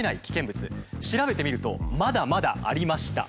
調べてみるとまだまだありました。